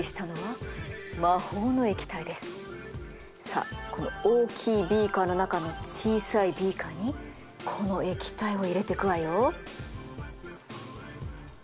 さあこの大きいビーカーの中の小さいビーカーにこの液体を入れてくわよ。